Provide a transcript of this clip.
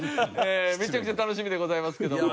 めちゃくちゃ楽しみでございますけども。